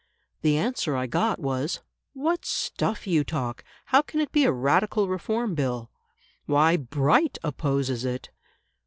The answer I got was, "What stuff you talk! How can it be a Radical Reform Bill? Why, BRIGHT opposes it!"